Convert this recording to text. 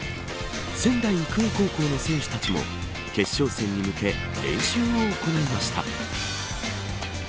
仙台育英高校の選手たちも決勝戦に向け練習を行いました。